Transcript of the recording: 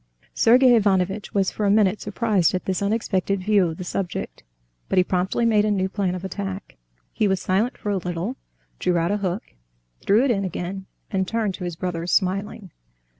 Sergey Ivanovitch was for a minute surprised at this unexpected view of the subject; but he promptly made a new plan of attack. He was silent for a little, drew out a hook, threw it in again, and turned to his brother smiling.